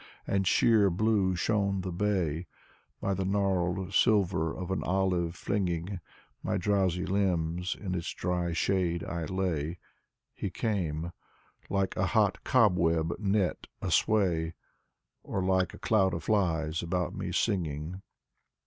And sheer blue shone the bay. By the gnarled silver of an olive flinging My drowsy limbs, in its dry shade I lay, — He came — like a hot cobweb net, asway. Or like a cloud of flies about me singing.